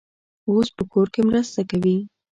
اوس په کور کې مرسته کوي.